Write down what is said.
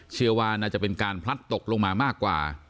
เชื่อว่าน่าจะเป็นการพลัดตกลงมามากกว่า